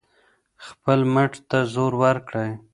خپل مټ ته زور ورکړئ.